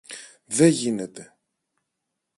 Δε γίνεται!